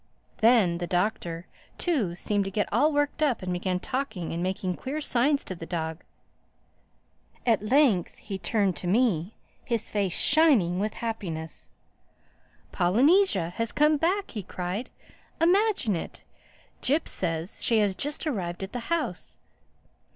Then the Doctor too seemed to get all worked up and began talking and making queer signs to the dog. At length he turned to me, his face shining with happiness. "Polynesia has come back!" he cried. "Imagine it. Jip says she has just arrived at the house.